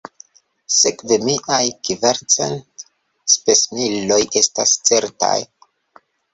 Sekve miaj kvarcent spesmiloj estas certaj?